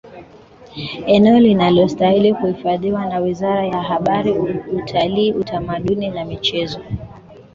Eneo linalostahili kuhifadhiwa na Wizara ya Habari Utalii utamaduni na Michezo